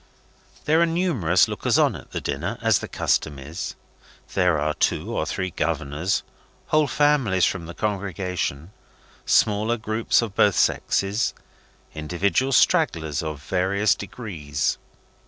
There are numerous lookers on at the dinner, as the custom is. There are two or three governors, whole families from the congregation, smaller groups of both sexes, individual stragglers of various degrees.